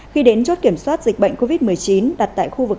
khi đến chốt kiểm soát dịch bệnh covid một mươi chín đặt tại khu vực